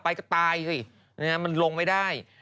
ไปก็ตายสิมันลงไม่ได้